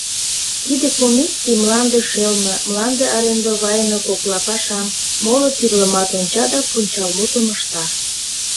Тиде комиссий мланде шелме, мланде арендовайыме кокла пашам, моло тӱрлымат онча да пунчалмутым ышта.